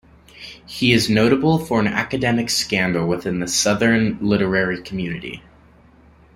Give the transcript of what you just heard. He is notable for an academic scandal within the Southern literary community.